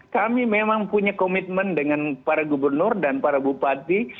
kami memang punya komitmen dengan para gubernur dan para bupati